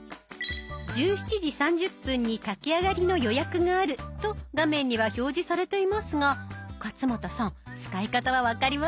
１７時３０分に炊き上がりの予約があると画面には表示されていますが勝俣さん使い方は分かりますか？